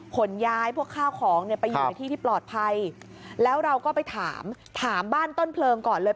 ขนย้ายพวกข้าวของเนี่ยไปอยู่ในที่ที่ปลอดภัยแล้วเราก็ไปถามถามบ้านต้นเพลิงก่อนเลย